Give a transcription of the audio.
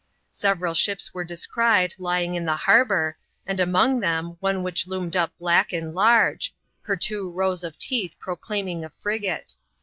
Several ships were descried lying in the harbour, and among them, one which loomed up black and large ; her two rows of teeth proclaiming a frigate.